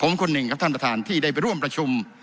ผมคนหนึ่งครับท่านประธานที่ได้ไปร่วมประชุม